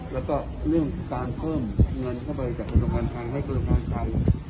แล้วก็เรื่องของการเพิ่มเงินเข้าไปจากบริษัทจังหวังความให้บริษัทซักเกิด